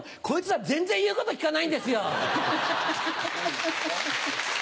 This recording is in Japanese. こいつら全然言うこと聞かないんですよ。